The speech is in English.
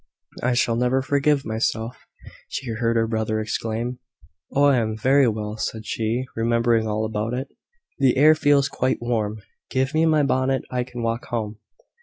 "I shall never forgive myself," she heard her brother exclaim. "Oh, I am very well," said she, remembering all about it. "The air feels quite warm. Give me my bonnet. I can walk home."